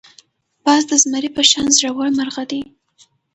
باز د زمري په شان زړور مرغه دی